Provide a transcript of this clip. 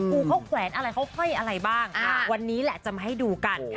ครูเขาแขวนอะไรเขาห้อยอะไรบ้างวันนี้แหละจะมาให้ดูกัน